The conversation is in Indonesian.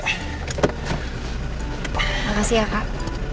makasih ya kak